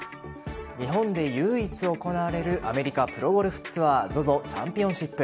日本で唯一行われるアメリカプロゴルフツアーＺＯＺＯチャンピオンシップ。